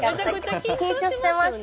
緊張しました。